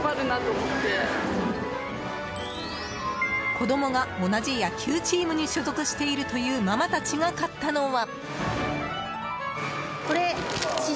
子供が同じ野球チームに所属しているというママたちが買ったのは。